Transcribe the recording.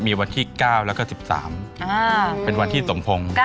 มีวันที่๙แล้วก็๑๓เป็นวันที่สมพงศ์